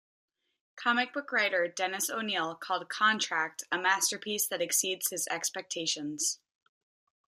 Comic book writer Dennis O'Neil called "Contract" "a masterpiece" that exceeded his expectations.